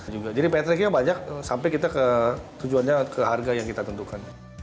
jadi petriknya banyak sampai kita ke tujuannya ke harga yang kita tentukan